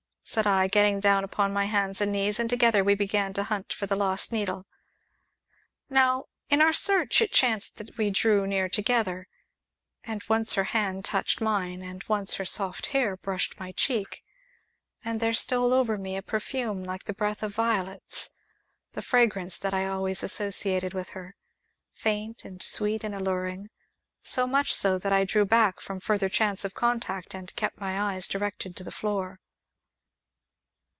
said I, getting down upon my hands and knees, and together we began to hunt for the lost needle. Now, in our search, it chanced that we drew near together, and once her hand touched mine, and once her soft hair brushed my cheek, and there stole over me a perfume like the breath of violets, the fragrance that I always associated with her, faint and sweet and alluring so much so, that I drew back from further chance of contact, and kept my eyes directed to the floor.